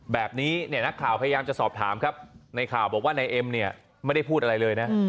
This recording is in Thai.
แบบนี้เนี่ยนักข่าวพยายามจะสอบถามครับในข่าวบอกว่านายเอ็มเนี่ยไม่ได้พูดอะไรเลยนะ